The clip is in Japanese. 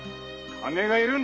金が要るんだ。